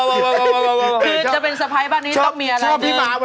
คือจะเป็นสะพ้ายบ้านนี้ต้องมีอะไร